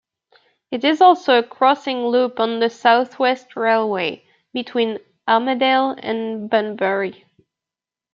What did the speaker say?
It is also a crossing loop on the south-west railway between Armadale and Bunbury.